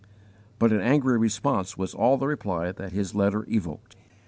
But an angry response was all the reply that his letter evoked.